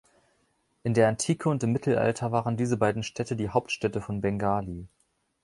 In der Antike und im Mittelalter waren diese beiden Städte die Hauptstädte von Bengali.